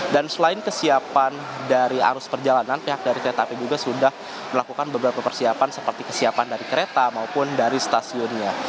dan selain kesiapan dari arus perjalanan pihak dari pt kai juga sudah melakukan beberapa persiapan seperti kesiapan dari kereta maupun dari stasiunnya